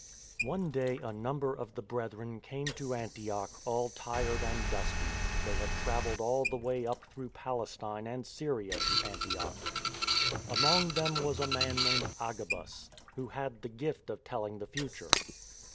^ One day a number of the Brethren came to Antioch all tired and dusty. They had travelled all the way up through Palestine and Syria to Antioch. Among them was a man named Agabus, who had the gift of telling the future.